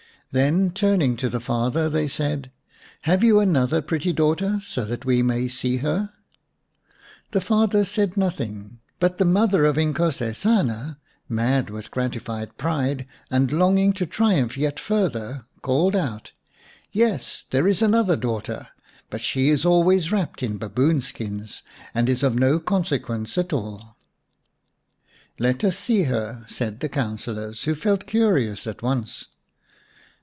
Then turning to the father they said, " Have you another pretty daughter, so that we may see her ?" 143 Baboon Skins xn The father said nothing, but the mother of Inkosesana, mad with gratified pride and longing to triumph yet further, called out, " Yes, there is another daughter, but she is always wrapped in baboon skins, and is of no consequence at all." " Let us see her," said the councillors, who felt curious at once.